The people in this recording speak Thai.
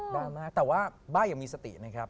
มากแต่ว่าบ้ายังมีสตินะครับ